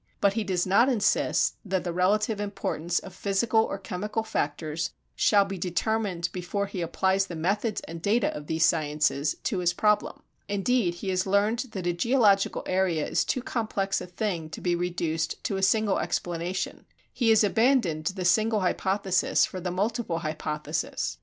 But he does not insist that the relative importance of physical or chemical factors shall be determined before he applies the methods and data of these sciences to his problem. Indeed, he has learned that a geological area is too complex a thing to be reduced to a single explanation. He has abandoned the single hypothesis for the multiple hypothesis.